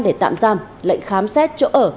để tạm giam lệnh khám xét chỗ ở